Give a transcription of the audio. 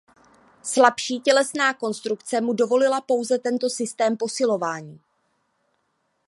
Slabší tělesná konstrukce mu dovolila pouze tento systém posilování.